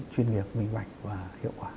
chuyên nghiệp minh vạch và hiệu quả